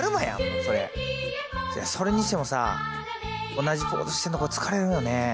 それにしてもさ同じポーズしてるのこれ疲れるよね。